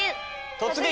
「突撃！